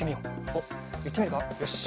おっいってみるかよし。